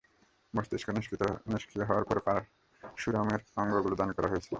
মস্তিষ্ক নিষ্ক্রিয় হওয়ার পর পারাসুরামের অঙ্গগুলো দান করা হয়েছিল।